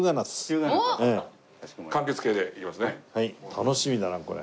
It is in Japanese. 楽しみだなこれ。